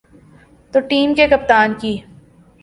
تو ٹیم کے کپتان کی۔